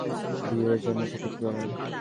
ভিউয়ের জন্য সেটা করি না।